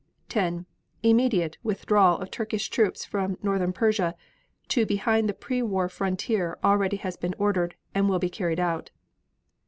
10. Immediate withdrawal of Turkish troops from Northern Persia to behind the pre war frontier already has been ordered and will be carried out.